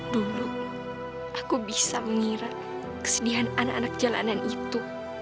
dulu aku bisa mengira kesedihan anak anak jalanan itu